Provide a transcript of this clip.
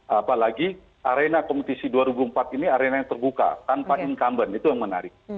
apalagi arena kompetisi dua ribu empat ini arena yang terbuka tanpa incumbent itu yang menarik